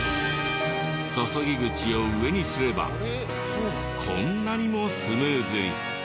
注ぎ口を上にすればこんなにもスムーズ。